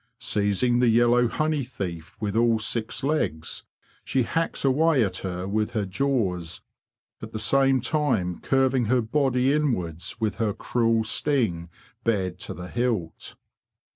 Seizing the yellow honey thief with all six legs, she hacks away at her with her jaws, at the same time curving her body inwards with her cruel sting bared to the hilt.